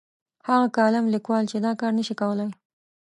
هغه کالم لیکوال چې دا کار نه شي کولای.